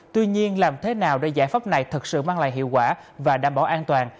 tuy nhiên làm thế nào để giải pháp này thật sự mang lại hiệu quả và đảm bảo an toàn